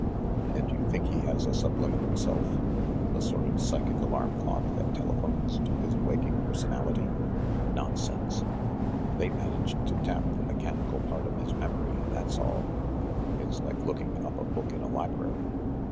"And you think he has a subliminal self, a sort of psychic alarm clock, that telephones to his waking per sonality? Nonsense! They managed to tap the me chanical part of his memory, that's all. It's like look ing up a book in a library.